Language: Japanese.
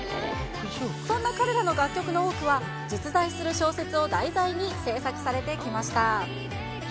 そんな彼らの楽曲の多くは、実在する小説を題材に制作されてきました。